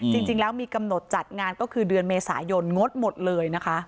จริงแล้วมีกำหนดจัดงานก็คือเดือนเมษายนงดหมดเลยนะคะ